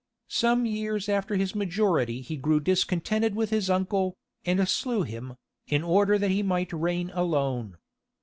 Some years after his majority he grew discontented with his uncle, and slew him, in order that he might reign alone.